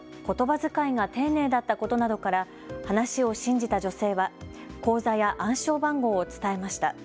ことばづかいが丁寧だったことなどから話を信じた女性は口座や暗証番号を伝えました。